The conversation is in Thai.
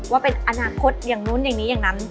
ว่าเป็นอนาคตอย่างนู้นอย่างนี้อย่างนั้น